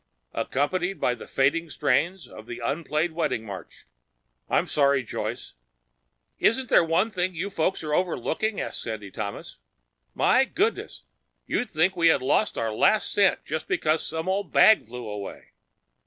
"Accompanied by the fading strains of an unplayed wedding march. I'm sorry, Joyce." "Isn't there one thing you folks are overlooking?" asked Sandy Thomas. "My goodness, you'd think we had lost our last cent just because that little old bag flew away!"